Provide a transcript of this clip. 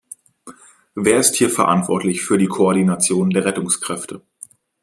Wer ist hier verantwortlich für die Koordination der Rettungskräfte?